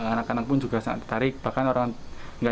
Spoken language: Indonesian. anak anak pun juga sangat tertarik bahkan orang dewasa pun juga